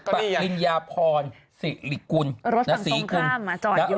ประทิญญาพรศรีริกุลนัสสีกุลรถถังตรงข้ามจ่อยอยู่